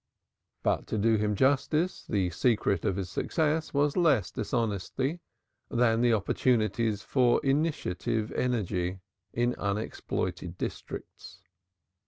But, to do him justice, the secret of his success was less dishonesty than the opportunities for initiative energy in unexploited districts.